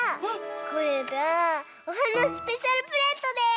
これがおはなスペシャルプレートです！